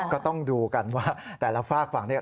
ก็ต้องดูกันว่าแต่ละฝากฝั่งเนี่ย